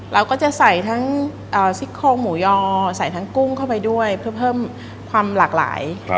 เราก็จะใส่ทั้งซิกโครงหมูยอใส่ทั้งกุ้งเข้าไปด้วยเพื่อเพิ่มความหลากหลาย